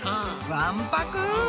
あわんぱく！